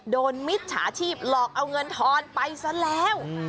มิจฉาชีพหลอกเอาเงินทอนไปซะแล้ว